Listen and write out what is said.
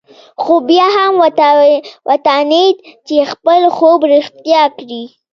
خو بيا هم وتوانېد چې خپل خوب رښتيا کړي.